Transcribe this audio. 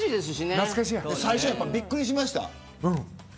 最初は、びっくりしました。